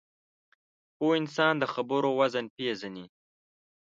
پوه انسان د خبرو وزن پېژني